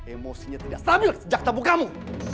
emosinya tidak stabil sejak tabuk kamu